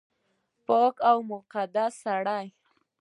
پاک او مقدس سړی